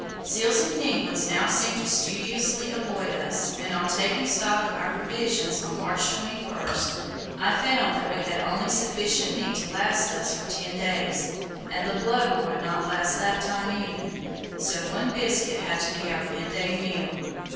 Seals and penguins now seemed to studiously avoid us, and on taking stock of our provisions on March 21 I found that we had only sufficient meat to last us for ten days, and the blubber would not last that time even, so one biscuit had to be our midday meal.